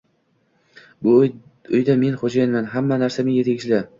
Bu uyda men xo`jayinman, hamma narsa menga tegishli